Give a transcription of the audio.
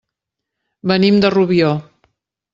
Venim de Rubió.